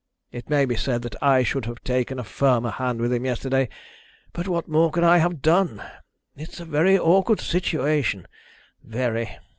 It may be said that I should have taken a firmer hand with him yesterday, but what more could I have done? It's a very awkward situation very.